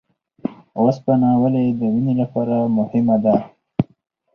اوسپنه ولې د وینې لپاره مهمه ده؟